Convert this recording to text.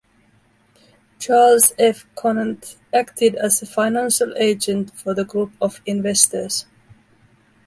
Charles F. Conant acted as financial agent for the group of investors.